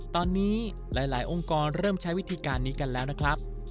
ตอนนี้หลายองค์กรเริ่มใช้วิธีการนี้กันแล้วนะครับ